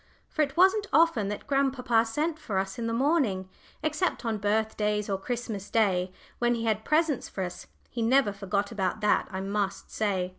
For it wasn't often that grandpapa sent for us in the morning, except on birthdays or Christmas Day, when he had presents for us. He never forgot about that, I must say.